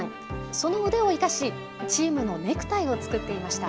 その腕を生かしチームのネクタイを作っていました。